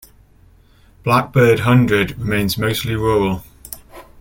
Blackbird Hundred remains mostly rural.